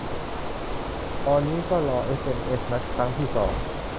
ตอนนี้ก็รอเอสเอ็มเอสนัดครั้งที่สอง